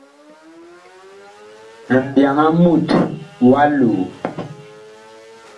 Mbyaŋ a mut wa loo.